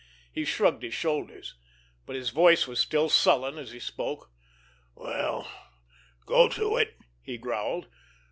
He shrugged his shoulders, but his voice was still sullen as he spoke. "Well, go to it!" he growled.